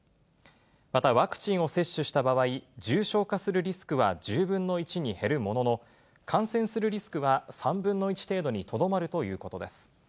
またワクチンを接種した場合、重症化するリスクは１０分の１に減るものの、感染するリスクは３分の１程度にとどまるということです。